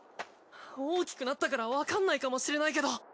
大きくなったからわかんないかもしれないけど。